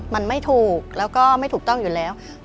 มันไม่ถูกแล้วก็ไม่ถูกต้องอยู่แล้ว